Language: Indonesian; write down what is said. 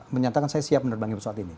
menyatakan saya siap menerbangi pesawat ini